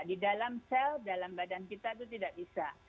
di dalam sel dalam badan kita itu tidak bisa